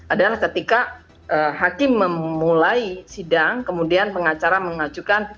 adalah ketika hakim memulai sidang kemudian pengacara mengajukan